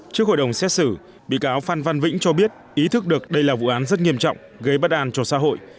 trước hội đồng xét xử bị cáo phan văn vĩnh cho biết ý thức được đây là vụ án rất nghiêm trọng gây bất an cho xã hội